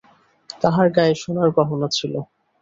তাহার গায়ে সোনার গহনা ছিল।